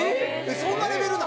そんなレベルなん？